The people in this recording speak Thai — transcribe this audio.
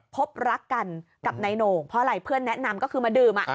ภพรักกันกับในโหน่งเพราะพ่อแนะนำคือมาดื่ม